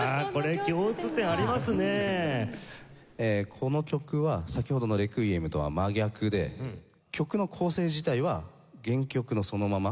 この曲は先ほどの『レクイエム』とは真逆で曲の構成自体は原曲のそのまま。